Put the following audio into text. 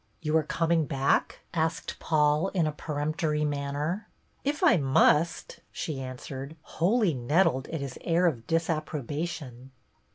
"You are coming back.?" asked Paul, in a peremptory manner. " If I must," she answered, wholly nettled at his air of disapprobation.